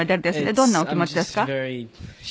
どんなお気持ちですか？